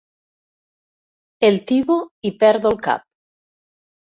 El tibo i perdo el cap.